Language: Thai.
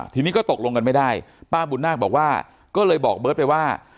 ทีนี้ก็ตกลงกันไม่ได้ป้าบุญนาคบอกว่าก็เลยบอกเบิร์ตไปว่า